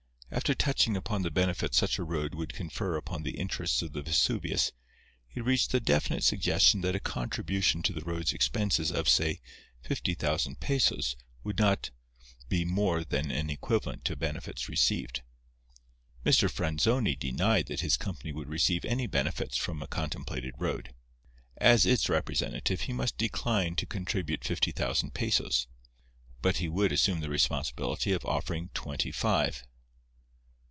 After touching upon the benefits such a road would confer upon the interests of the Vesuvius, he reached the definite suggestion that a contribution to the road's expenses of, say, fifty thousand pesos would not be more than an equivalent to benefits received. Mr. Franzoni denied that his company would receive any benefits from a contemplated road. As its representative he must decline to contribute fifty thousand pesos. But he would assume the responsibility of offering twenty five.